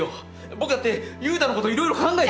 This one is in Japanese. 僕だって優太の事いろいろ考えて。